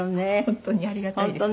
本当にありがたいです。